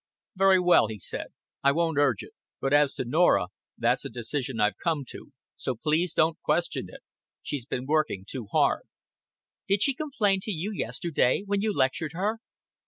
"Very well," he said, "I won't urge it. But as to Norah, that's a decision I've come to; so please don't question it. She's been working too hard " "Did she complain to you yesterday, when you lectured her?"